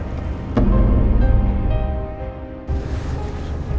saya mau telepon angga dulu